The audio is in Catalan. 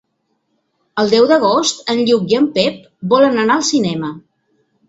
El deu d'agost en Lluc i en Pep volen anar al cinema.